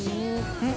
うん。